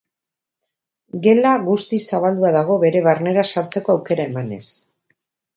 Gela guztiz zabaldua dago bere barnera sartzeko aukera emanez.